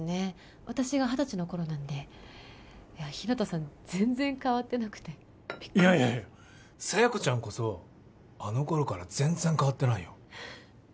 私が二十歳の頃なんで日向さん全然変わってなくていやいや佐弥子ちゃんこそあの頃から全然変わってないよ